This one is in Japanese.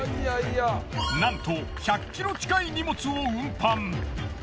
なんと１００ｋｇ近い荷物を運搬。